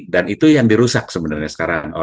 itu yang dirusak sebenarnya sekarang